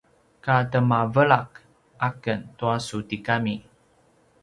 ka temavelak aken tua su tigami